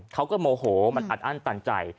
เขาก็โมโหมันอัดอั้นตันใจ